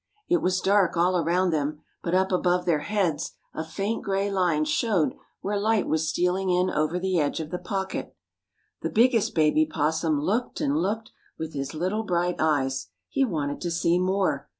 It was dark all around them, but up above their heads a faint gray line showed where light was stealing in over the edge of the pocket. The biggest baby opossum looked and looked with his little bright eyes. He wanted to see more.